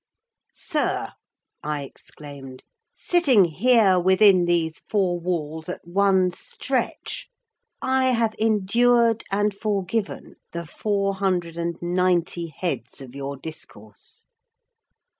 "Sir," I exclaimed, "sitting here within these four walls, at one stretch, I have endured and forgiven the four hundred and ninety heads of your discourse.